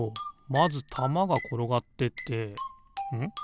まずたまがころがってってん？